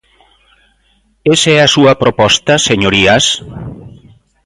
¿Esa é a súa proposta, señorías?